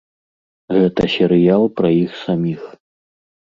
Гэта серыял пра іх саміх.